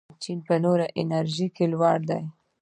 چین په نوې انرژۍ کې لوی دی.